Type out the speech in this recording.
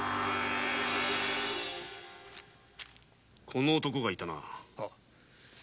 この男がいたな。